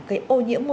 gây ô nhiễm